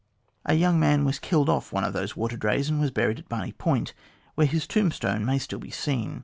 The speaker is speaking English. A young man was killed off one of those water drays, and was buried at Barney Point, where his tombstone may still be seen.